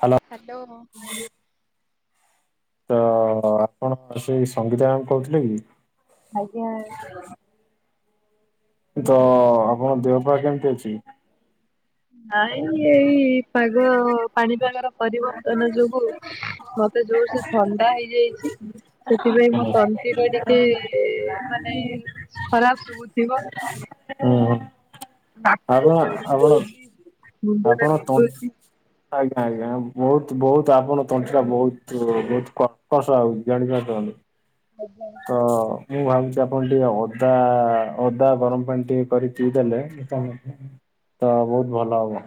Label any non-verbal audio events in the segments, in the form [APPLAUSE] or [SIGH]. Hello. Hello. [INAUDIBLE] ତ ଆପଣ ସେ ସଙ୍ଗୀତା ମାମ କହୁଥିଲେ କି? ଆଜ୍ଞା। ତ ଆପଣଙ୍କ ଦେହପା କେମିତି ଅଛି? ନାଇ ଏଇ ପାଗ ପାଣିପାଗର ପରିବର୍ତ୍ତନ ଯୋଗୁ ମତେ ଜୋର ସେ ଥଣ୍ଡା ହେଇଯାଇଛି। ସେଥିପାଇଁ ହୁଁ ମୋ ତଣ୍ଟି ଟା ଟିକେ ମାନେ ଖରାପ ଶୁଭୁଥିବ। ହୁଁ। ନାକରୁ ଆପଣ ପାଣି ଆପଣ ବୋହୁଛି ମୁଣ୍ଡ ଟା ଆପଣ ତନ୍ ବିନ୍ଧୁଛି। ଆଜ୍ଞା ଆଜ୍ଞା ବହୁତ ବହୁତ ଆପଣ ତଣ୍ଟି ଟା ବହୁତ ବହୁତ କର୍କଶ୍ ଶୁଣାଯାଉଛି [UNINTELLIGIBLE] ଓ ହ। ତ ମୁଁ ଭାବୁଛି ଆପଣ ଟିକେ ଅଦା ଅଦା ଗରମ ପାଣି ଟିକେ କରି ପିଇଦେଲେ ତ ତ ବହୁତ ଭଲ ହବ।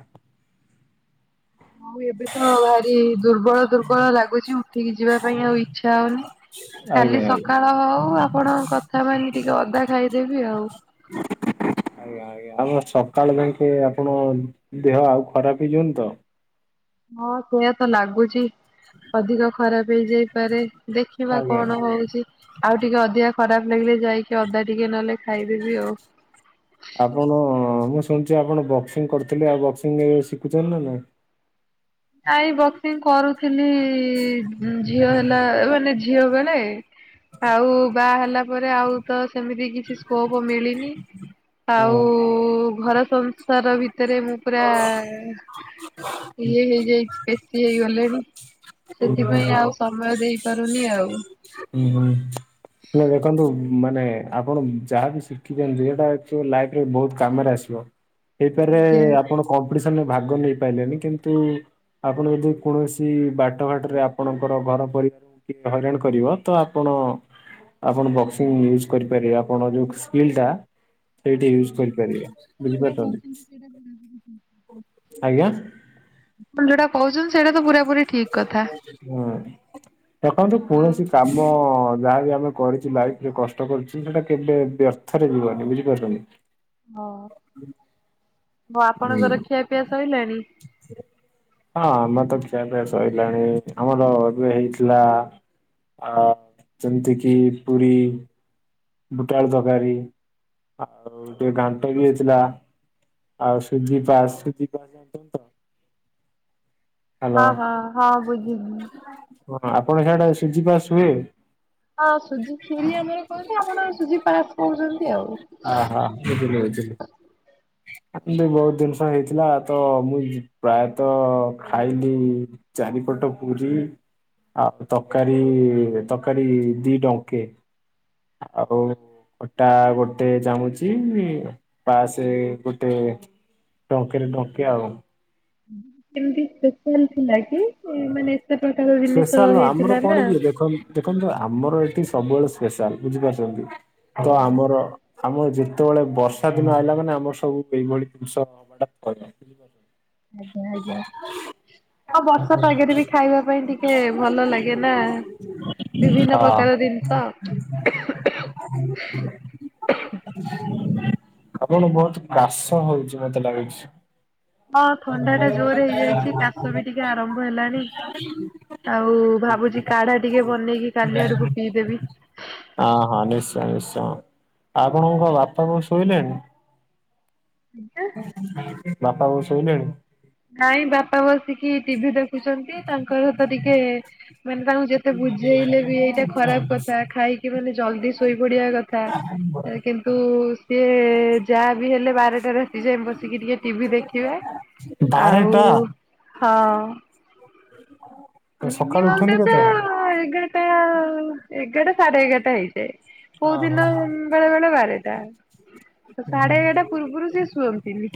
ହଉ ଏବେ ତ ଭାରି ଦୁର୍ବଳ ଦୁର୍ବଳ ଲାଗୁଛି ଉଠିକି ଯିବା ପାଇଁ ଆଉ ଇଛା ହଉନି। କାଲି ଆଜ୍ଞା ଆଜ୍ଞା। ସକାଳ ହଉ ଆପଣ କଥା ମାନି ଟିକେ ଅଦା ଖାଇଦେବି ଆଉ। [INAUDIBLE] ଆଜ୍ଞା ଆଜ୍ଞା ଆମ ସକାଳ ଯାକେ ଆପଣ ଦେହ ଆଉ ଖରାପ ହେଇଯିବନି ତ? ହଁ ସେଇୟା ତ ଲାଗୁଚି। ଅଧିକ ଖରାପ ହେଇଯାଇପାରେ ଦେଖିବା ଆଜ୍ଞା କଣ ହଉଚି। ଆଉ ଟିକେ ଅଧିକା ଖରାପ ଲାଗିଲେ ଯାଇକି ଅଦା ଟିକେ ନେଲେ ଖାଇଦେବି ଆଉ। [INAUDIBLE] ଆପଣ ମୁଁ ଶୁଣିୁଛି ଆପଣ ବକ୍ସିଂ କରିୁଥିଲେ ଆଉ ବକ୍ସିଂ ଶିଖୁଛନ୍ତି ନା ନାଇଁ? [INAUDIBLE] ନାଇଁ ବକ୍ସିଂ କରୁଥିଲି ଉ ଝିଅ ହେଲା ମାନେ ଝିଅ ବେ ନାଇ ଆଉ ବାଆ ହେଲା ପରେ ଆଉ ତ ସେମିତି କିଛି ସ୍କୋପ ମିଳିନି ଆଉ ହଁ ଘର ସଂ ସା ସାର ଭିତରେ ମୁଁ ପୁରା ଇଏ ହେଇ ଚି ପେଶୀ ହେଇଗଲେଣି ହୁଁ ସେଥିପାଇଁ ଆଉ ସମୟ ଦେଇପାରୁନି ଆଉ। ହୁଁ ହୁଁ ହେ ଦେଖନ୍ତୁ ମାନେ ଆପଣ ଯାହାବି ଶିଖିଛନ୍ତି ସେଟା ଲାଇଫରେ ବହୁତ କାମରେ ଆସିବ। ହେଇପାର ଆଜ୍ଞା। ହଁ ଆପଣ କମ୍ପିଟିସନରେ ଭାଗ ନେଇପାଇଲେନି କିନ୍ତୁ ଆପଣ ଯଦି କୌଣସି ବାଟଘାଟରେ ଆପଣଙ୍କର ଘର ପରିବାରକୁ କିଏ ହଇରାଣ କରିବ ତ ଆପଣ ଆପଣ ବକ୍ସିଂ ୟୁଜ କରିପାରିବେ ଆପଣ ଯୋଉ ସ୍କିଲ୍ ଟା ସେଇଠି ଓଁ ୟୁଜ୍ ହୋ କରିପାରିବେ ଆପଣ ତ ଯୋଉଟା ବୁଝିପାରୁଛନ୍ତି କହୁଛନ୍ତି ସେଇଟା ପୁରା ପୁରି ଠିକ୍ କଥା। ଆଜ୍ଞା। ଆପଣ ଯୋଉଟା କହୁଛନ୍ତି ସେଇଟା ତ ପୁରା ପୁରି ଠିକ କଥା। ହୁଁ ଦେଖନ୍ତୁ କୌଣସି କାମ ଯାହା ବିି ଆମେ କରିଛୁ ଲାଇଫରେ କଷ୍ଟ କରୁଚୁ ସେଟା କେବେ ବ୍ୟର୍ଥରେ ଯିବନି ବୁଝିପାରୁଛନ୍ତି। ହଁ ବ ହୁଁ। ଆପଣଙ୍କର ଖିଆପିଆ ସଇଲାଣି? [INAUDIBLE] ହଁ ଆମେ ତ ଖିଆ ସଇଲାଣି ଆମର ଏବେ ହେଇଥିଲା ଆ ଯେମିତି କିି ପୁରୀ ବୁଟଆଳୁ ତରକାରୀ ଆଉ ଟିକେ ଗାଣ୍ଟ ବି ହେଇଥିଲା। ଆଉ ସୁଜି ପା ସୁଜି ପା ଜାଣିଛନ୍ତି ତ? ହ୍ୟାଲୋ ହଁ ହଁ ହଁ ବୁଝିଲି। ହଁ ଆପଣ ହିଆଡେ ସୁଜି ପାସ ହୁଏ? ହଁ ସୁଜି ଖିରି ଆମର କହନ୍ତି ଆପଣ ସୁଜି ପାସ୍ କହୁଛନ୍ତି ଆଉ। ହଁ ହଁ ବୁଝିଲି ବୁଝିଲି ଆ ବହୁତ ଜିନିଷ ହେଇଥିଲା ତ ମୁଁ ପ୍ରାୟତଃ ଖାଇଲି ଚାରିପଟ ପୁରୀ ଆଉ ତକାରୀ ତକାରୀ ଦି ଡଙ୍କେ ଆଉ ଅଟା ଗୋଟେ ଜାମୁଚି ପାସେ ଏ ଗୋଟେ ଡଙ୍କିରେ ଡଙ୍କେ ଆଉ ଏମିତି ସ୍ପେଶାଲ ଥିଲା କି ମାନେ ଏତେ ପ୍ରକାର ଜିନିଷ ସ୍ପେଶାଲ ନୁହଁ ଆମର ହେଇଥିଲା କଣ ନା କି ଦେଖ ଦେଖନ୍ତୁ ଆମର ଏଠି ସବୁବେଳେ ସ୍ପେଶାଲ ବୁଝିପାରୁଚନ୍ତି ତ ଆଜ୍ଞା ଆମର ଆମର ଯେତବଳେ ବର୍ଷା ଦିନ ଆଇଲା ମାନେ ଆମର ସବୁ ଏଇଭଳି ଜିନିଷ ହବାଟା ଥୟ। [UNINTELLIGIBLE] ଆଜ୍ଞା ଆଜ୍ଞା। ଆଁ ବର୍ଷା ପାଗରେ ବି ଖାଇବା ପାଇଁ ଟିକେ ଭଲ ଲାଗେ ନା ବିଭିନ୍ନ ପ୍ରକାର ଜିନିଷ [INAUDIBLE] ଆପଣ ବହୁତୁ କାଶ ହଉଚି ମତେ ଲାଗୁଚି। ହଁ ଥଣ୍ଡା ଟା ଜୋରେ ହେଇଯାଇଚି କାଶ ବି ଟିକେ ଆରମ୍ଭ ହେଲାଣି। ଆଉ ଭାବୁଛି କାଢା ଟିକେ ବନେଇକି କାଲି ଆଡକୁ ପିଇଦେବି। ହଁ ହଁ ନିଶ୍ଚୟ ନିଶ୍ଚୟ ଆପଣଙ୍କ କଣ ବାପା ବୋଉ ଶୋଇଲେଣି? ବାପା ବୋଉ ଶୋଇଲେଣି? ନାଇଁ ବାପା ବସିକି ଟିଭି ଦେ ଖୁଚନ୍ତି ତାଙ୍କ ସହିତ ଟିକେ ମାନେ ତାଙ୍କୁ ଯେତେ ବୁଝେଇଲେ ବି ଏଇଟା ଖରାପ କଥା ଖାଇକି ମାନେ ଜଲଦି ଶୋଇ ପଡିବା କଥା କେ ତୁ ସିଏ ଯାହା ବିି ହେଲେ ବାରଟା ରାତି ଯାଏ ବସିକି ଟିକେ ଟିଭି ଦେଖିବେ ଆଉ ବାରେଟା ହଁ। ତ ସକାଳୁ ମିନିମମ୍ ଟା ଉଠନ୍ତି ତ କେତେବେଳେ? ଏଗାରଟା ଏଗାରଟା ସାଢେ ଏଗାରଟା ହେଇଯାଏ। କୋଉ ହଁ ହଁ ଦିନ ବେଳେ ବେଳେ ବାରେଟା ତ ହୁଁ ସାଢେ ଏଗାରଟା ପୂର୍ବରୁ ସିଏ ଶୁଅନ୍ତିନି।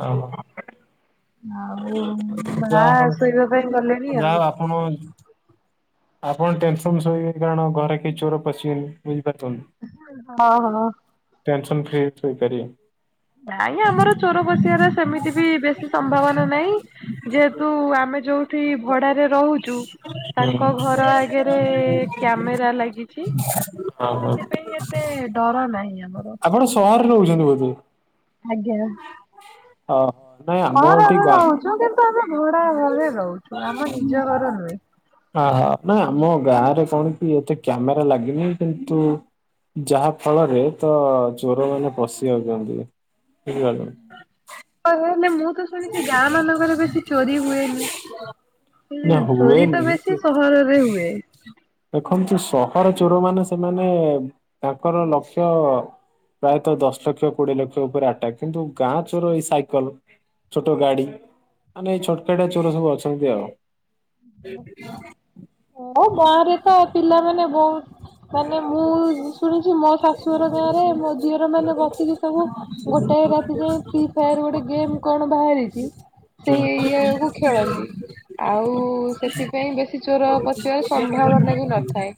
ଅ ହ। ଆଉ ମା ଶୋଇବା ପାଇଁ ଗଲେଣି ଆଉ କଣ ହେଇ ଆପଣ ଟେନସନ ଶୋଇବେ କାରଣ ଘରେ କେହି ଚୋର ପଶିବେନି ବୁଝିପାରୁଚନ୍ତି। ଅ ହଁ ଟେନସନ ଫ୍ରିରେ ସୋଇପାରିବେ। ନାଇଁ ଆମର ଚୋର ପ ପସିବାର ସେମିତି ବି ବେଶୀ ସମ୍ଭାବନା ନାଇଁ ଯେହେତୁ ଆମେ ଯୋଉ ଠି ଭଡାରେ ରହୁଚୁ ହୁଁ ତାଙ୍କ ଘର ଆଗରେ କ୍ୟାମେରା ଲାଗିଚି ହଁ ହଁ ସେଥିପାଇଁ ଏ ଏତେ ଡର ନାହିଁ ଆମର କଣ ସହରରେ ରହୁଚନ୍ତି ବୋଧେ? ଆଜ୍ଞା। [UNINTELLIGIBLE] ଅହ ନାଇଁ ଆମ ଏଠି ସହରରେ ଗାଁ ରହୁଛୁ କିନ୍ତୁ ଆମେ ଭଡା ଘରେ ରହୁଛୁ ଆମ ନିଜ ଘର ନୁହେଁ। ଆହା ନାଇଁ ଆମ ଗାଁରେ କଣ କି ଏତେ କ୍ୟାମେରା ଲାଗିନି କିନ୍ତୁ ଯାହା ଫଳରେ ତ ଚୋର ମାନେ ପଶି ଯାଉଚନ୍ତି। ବୁଝି ପାଇଲ ଓହୋ ହେଲେ ମୁଁ ତ ଶୁଣିଚି ଗାଁ ମାନଙ୍କରେ ବେଶୀ ଚୋରି ହୁଏନି? ନା ଚୋରି ତ ହୁଏନି କି ବେଶୀ ସହରରେ ହୁଏ। ଦେଖନ୍ତୁ ସହର ଚୋର ମାନେ ସେମାନେ ତାଙ୍କର ଲକ୍ଷ୍ୟ ପ୍ରାୟତଃ ଦଶ ଲକ୍ଷ କୋଡିଏ ଲକ୍ଷ ଉପରେ ଆଟାକ୍ କିନ୍ତୁ ଗାଁ ଚୋର ଏଇ ସାଇକଲ ଛୋଟ ଗାଡି ମାନେ ଏଇ ଛୋଟ କାଟିଆ ଚୋର ସବୁ ଅଛନ୍ତି ଆଉ। ହଁ ଗାଁ ରେ ତ ପିଲାମାନେ ବହୁତ ମାନେ ମୁଁ ଶୁଣିଚି ମୋ ଶାଶୁଘର ଗାଁରେ ମୋ ଦିଅର ମାନେ ଗପିକି ସବୁ ଗୋଟାଏ ରାତି ରେ ଯାଏଁ ଫ୍ରି ଫାୟାର ଗୋଟେ ଗେମ୍ କଣ ବାହାରିଚି ସେଇ ଇଏ କୁ ଖେଳନ୍ତି ଆଉ ସେଥିପାଇଁ ବେଶୀ ଚୋର ପ ସମ୍ଭାବନା ବି ନଥାଏ।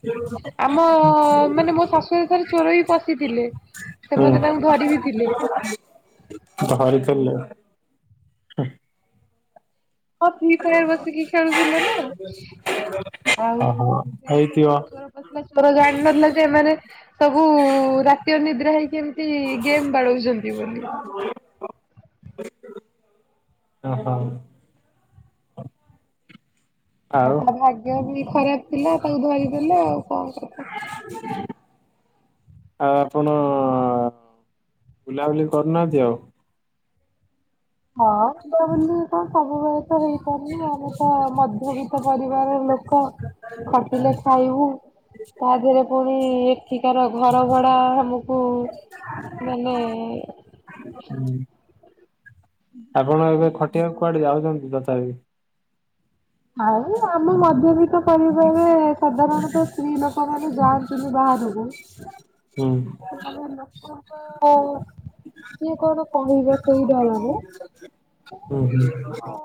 ଆମ ମାନେ ମୋ ଶାଶୁ ଥରେ ଚୋର ବି ପଶିଥିଲେ ସେମାନେ ତାଙ୍କୁ ଧରି ବିି ଥିଲେ ଧରିଥିଲେ? ହୁଁ। ହଁ ଫ୍ରି ଫାୟାର ବସିକି ଖେଳୁଥିଲେ ନା ଆଉ ଓହୋ ସେଇ ହେଇଥିବ ସମୟରେ ଚୋର ପଶିଲା ଚୋର ଜାଣିନଥିଲା ଯେ ଏମାନେ ସବୁ ରାତି ଅନିଦ୍ରା ହେଇକି ଏମୀତି ଗେମ୍ ବାଡଉଚନ୍ତି [INAUDIBLE] ଓ ହୋ। ଆଉ ତା ଭାଗ୍ୟ ବି ଖରାପ ଥିଲା ତାକୁ ଧରିଦେଲେ ଆଉ କଣ କଥା। ଆଉ ଆପଣ ବୁଲାବୁଲି କରୁନାହାନ୍ତି ଆଉ ହଁ ବୁଲା ବୁଲି ସବୁବେଳେ ତ ହେଇପାରୁନି ଆମେ ତ ମଧ୍ୟବିତ୍ତ ପରିବାର ଲୋ ଖ ଖଟିଲେ ଖାଇବୁ। ତା ଦିହେରେ ପୁଣି ଏଠିକାର ଘର ଭଡା ଆମକୁ ମାନେ ହୁଁ। ଆପଣ ଏବେ ଖଟିଆକୁ କୁଆଡେ ଯାଉଛନ୍ତି ତଥାପି ଆଉ ଆମ ମଧ୍ୟ ବି ତ ପରିବାରରେ ସାଧାରଣତଃ ସ୍ତ୍ରୀ ଲୋକ ମାନେ ଯାଆନ୍ତିନି ବାହାରୁକୁ ହୁଁ ସେମାନେ ଲୋକ ହକ କିଏ କଣ କହିବ ସେଇ ଡରରେ ହୁଁ ହୁଁ।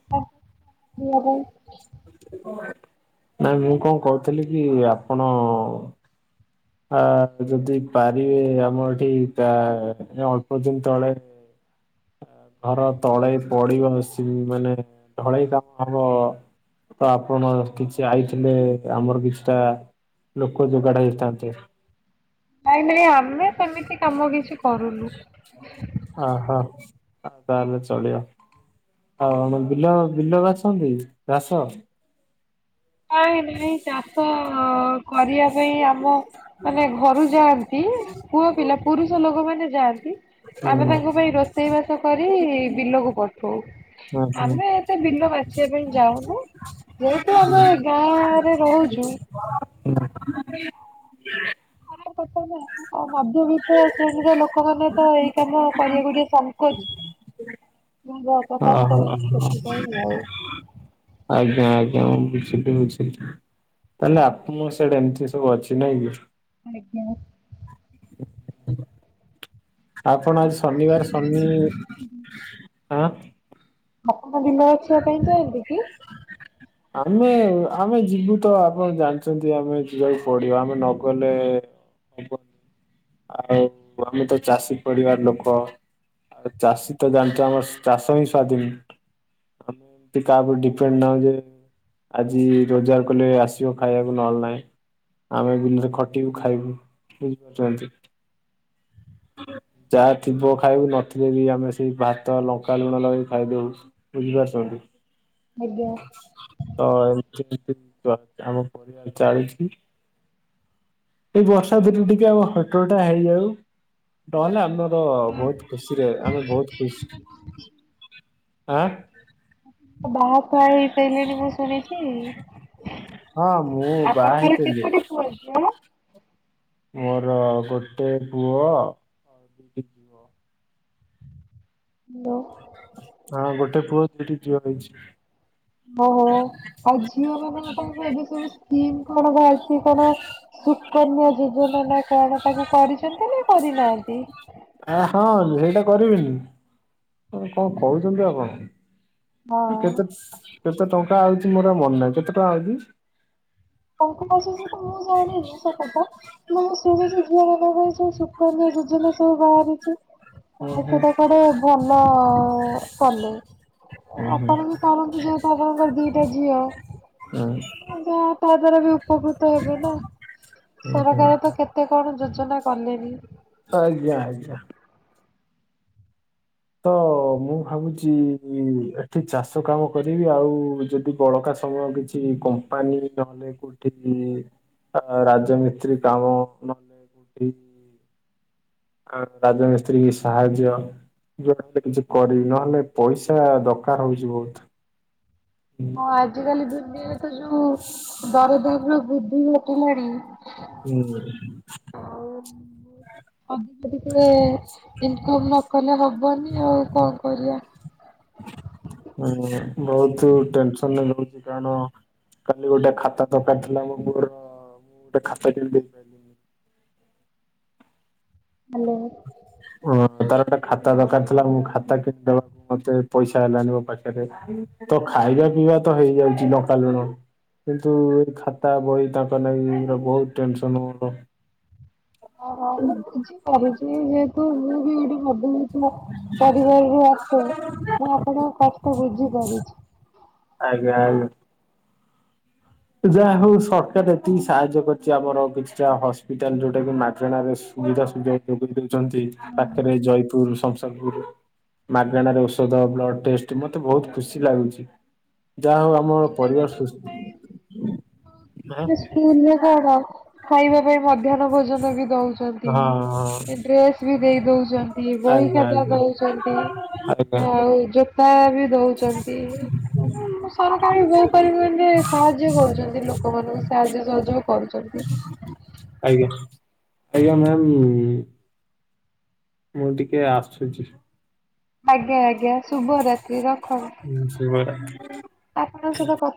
[UNINTELLIGIBLE] ନାଇଁ ମୁଁ କଣ କହୁଥିଲି କି ଆପଣ ଆ ଯଦି ପାରିବେ ଆମ ଏଠି ତା ଅଳ୍ପଦିନ ତଳେ ଘର ତଳେ ପଡିବ ମେସିନ ମାନେ ଢଳେଇ କାମ ହବ ତ ଆପଣ କିଛି ଆଇଥିଲେ ଆମର କିଛିଟା ଲୋକ ଯୋଗାଡ ହେଇଥାନ୍ତେ। ନାଇଁ ନାଇଁ ଆମେ ସେମିତି କାମ କିଛି କରୁନୁ। ଆ ହ ଆଉ ତାହେଲେ ଚଳିବ ଆପଣ ବିଲ ବିଲ ବାଛନ୍ତି ଘାସ ନାଇଁ ନାଇଁ ଚାଷ କରିବା ପାଇଁ ଆମ ମାନେ ଘରୁ ଯାଆନ୍ତି ପୁଅ ପିଲା ପୁରୁଷ ଲୋକମାନେ ଯାଆନ୍ତି ଆମେ ହୁଁ ତାଙ୍କ ପାଇଁ ରୋ ରୋଷେଇବାସ କରି ବିଲକୁ ପଠଉ ଆଚ୍ଛା। ଆମେ ସେ ବିଲ ବାଛିବା ପାଇଁ ଯାଉନୁ ଯେହେତୁ ଆମେ ଗାଁରେ ରହୁଛୁ [UNINTELLIGIBLE] ମଧ୍ୟବିତ୍ତ ଶ୍ରେଣୀର ଲୋକମାନେ ତ ଏଇ କାମ କରିଆକୁ ଟିକେ ସଙ୍କୋଚ ଓ ହୋ ସେଥିପାଇଁ ହ। ଆଉ। ଆଜ୍ଞା ଆଜ୍ଞା ମୁଁ ବୁଝିଲି ବୁଝିଲି। ତାହେଲେ ଆପଣଙ୍କ ସିଆଡେ ଏମିତି ସବୁ ଅଛି ନାଇଁ କି ଆଜ୍ଞା। ଆପଣ ଆଜି ଶନିବାର ଶନି ଆଁ ଆପଣ ବିଲ ବାଛିବା ପାଇଁ ଯାଆନ୍ତି କି? ଆମେ ଆମେ ଯିବୁ ତ ଆପଣ ଜାଣିଛନ୍ତି ଆମେ ଯିବାକୁ ପଡିବ ଆମେ ନଗଲେ ହବ ଆଉ ଆମେ ତ ଚାଷୀ ପରିବାର ଲୋକ ଚାଷୀ ତ ଜାଣିଛ ଆମର ଚାଷ ହିଁ ସ୍ଵାଧୀନି ହମ କାହା ଉପରେ ଡିପେଣ୍ଡ ନାହୁଁ ଯେ ଆଜି ରୋଜଗାର କଲେ ଆସିବ ଖାଇଆକୁ ନହେଲେ ନାଇଁ ଆମେ ବିଲରେ ଖଟିବୁ ଖାଇବୁ। ବୁଝିପାରୁଛନ୍ତି? ଯାହା ଥିବ ଖାଇବୁ ନଥିଲେ ବି ଆମେ ସେଇ ଭାତ, ଲଙ୍କା ଲୁଣ ଲଗେଇ ଖାଇଦଉ। ବୁଝିପାରୁସନ୍ତି? ଆଜ୍ଞା। ତ ଅମିତ୍ [UNINTELLIGIBLE] ଆମ ପରିବାରର ଚାଲୁଛି। ଏଇ ବର୍ଷା ଦିନେ ଟିକେ ଆମ ହଟଟା ହେଇଯାଉ। ନହେଲେ ଆମର ବହୁତ ଖୁସିରେ ଆମେ ବହୁତ ଖୁସି ଆଁ। ବାହା ଖୁଆ ହେଇସାଇଲେଣି ମୁଁ ଶୁଣିଛି ହଁ ମୁଁ ବାହା ଆପଣଙ୍କର ହେଇଥିଲି କେତୋଟି ପୁଅ ଅ କ୍ୟା ମୋର ଗୋଟେ ପୁଅ ଆଉ ଦିଟି ଝିଅ। ହ୍ୟାଲୋ। ହଁ ଗୋଟେ ପୁଅ ଦିଇଟିି ଝିଅ ହେଇଛି। ଓଃ ଆଉ ଝିଅ ମାନଙ୍କ ପାଇଁ ଏବେ ସ୍କିମ୍ କଣ ବାହାରିଛି? କି କଣ ସୁକନ୍ୟା ଯୋଜନା ନା କଣ ତାକୁ କରିଛନ୍ତି ନା କରିନାହାନ୍ତି? ଆ ହଁ ଏଇଟା କରିବିନି କଣ କହୁଛନ୍ତି ଆପଣ ହଁ। କେତେ କେତେ ଟଙ୍କା ଆଉଛି ମୋର ଆଉ ମନେ ନାହିଁ କେତେ ଟଙ୍କା ଆଉଛି? ଟଙ୍କା ଆଶୁଛି ତ ମୁଁ ଜାଣିନି ସେ କଥା ମୁଁଁ ଶୁଣିଛି ଝିଅ ମାନଙ୍କ ପାଇଁ ସବୁ ସୁକନ୍ୟା ଯୋଜନା ସବୁ ବାହାରିଛି ହୁଁ ହଁ ହୁଁ ସେଟା କୁଆଡେ ଭଲ କଲେ ହୁଁ ହୁଁ ଆପଣ ବି କରନ୍ତୁ ଯେହେତୁ ଆପଣଙ୍କର ଦିଟା ଝିଅ ହୁଁ ଯା ତା ଦ୍ଵାରା ବି ଉପକୃତ ହେବେ ନା ହୁଁ ହୁଁ। ସରକାର ତ କେତେ କଣ ଯୋଜନା କଲେନି ଆଜ୍ଞା ଆଜ୍ଞା। ତ ମୁଁ ଭାବୁଛି ଏଠି ଚାଷ କାମ କରିବି ଆଉ ଯଦି ବଳକା ସମୟ କିଛି କମ୍ପାନୀ ନହେଲେ କୋଉଠି ରାଜମିସ୍ତ୍ରୀ କାମ ନ [UNINTELLIGIBLE] ଆ ରାଜମିସ୍ତ୍ରୀକି ସାହାଯ୍ୟ ଯୁଆଡେ ହେଲେ କିଛି କରିବି ନହେଲେ ପଇସା ଦରକାର ହଉଛି ବହୁତୁ ଆଜି କାଲି ଦୁନିଆରେ ତ ଯୋଉ ଦରଦାମ୍ ବୃଦ୍ଧି ଘଟିଲାଣି ହୁଁ। ହବୁ ଯଦି କିଏ ଇନକମ୍ ନକଲେ ହବନି ଆଉ କଣ କରିବା। ହୁଁ ବହୁତ ଟେନସନ [UNINTELLIGIBLE] ଲଉଛି କାନ କାଲି ଗୋଟେ ଖାତା ଦରକାର ଥିଲା ମୋ ପୁଅର ଗୋଟେ ଖାତା ଟିଏ ବି ଦେଇପାରି ଦେଲିନି ହ୍ୟାଲୋ। ହଁ ତାର ଗୋଟେ ଖାତା ଦରକାର ଥିଲା ମୁଁ ଖାତା କିଣିଦବା ମତେ ପଇସା ହେଲାନି ମୋ ପାଖରେ ତ ଖାଇବା ପିଇବା ତ ହେଇଯାଉଛି ଲଙ୍କାଲୁଣ କିନ୍ତୁ ଏଇ ଖାତା ବହି ତାକ ନେଇ ବହୁତ ଟେନସନ ହ ମୁଁ ବୁଝିପାରୁଛି ଯେହେତୁ ମୁଁ ବି ଗୋଟେ ମଧ୍ଯ ପରିବାରରୁୁ ଆସେ ମୁଁ ଆପଣଙ୍କ କଷ୍ଟ ବୁଝି ପାରୁଛି। ଆଜ୍ଞା ଆଜ୍ଞା। ଯାହା ହଉ ସରକାର ଏତିକି ସାହାଯ୍ୟ କରିଛି ଆମର କିଛିଟା ହସ୍ପିଟାଲ ଯୋଉଟା କି ମାଗଣରେ ସୁବିଧା ସୁ ଯୋଗ ଦଉଛନ୍ତି ପାଖରେ ଜୟପୁରୁ ସମସଖପୁରୁ। ମାଗଣାରେ ଔଷଧ ବ୍ଲଡ ଟେଷ୍ଟ ମତେ ବହୁତ୍ ଖୁସି ଲାଗୁଛି ଯାହା ହଉ ଆମର ପରିବାର ସୁ ସ୍କୁଲରେ କଣ ଖାଇବା ପାଇଁ ମଧ୍ୟାହ୍ନ ଭୋଜନ ବି ଦଉ ଚନ୍ତି ହଁ ହଁ ଡ୍ରେସ୍ ବି ଦେଇ ଦଉଛନ୍ତି ବହି ଆଜ୍ଞା ଖତା ଆଜ୍ଞା। ଦଉଛନ୍ତି। ଆଜ୍ଞା ଆଉ ଜୋତା ବି ଦଉ ଛନ୍ତି ସରକାର ବି ବହୁ ପରିମାଣରେ ସାହାଯ୍ୟ କରୁଛନ୍ତି ଲୋ ବହୁ ସାହାଯ୍ୟ ସହଯୋଗ କରୁଛନ୍ତି। ଆଜ୍ଞା ଆଜ୍ଞା ମ୍ୟାମ୍ ମୁଁ ଟିକେ ଆସୁଚି। ଆଜ୍ଞା, ଆଜ୍ଞା ଶୁଭରାତ୍ରି ରଖନ୍ତୁ ହୁଁ ଶୁଭରାତ୍ରି। ଆପଣଙ୍କ ସହିତ କଥା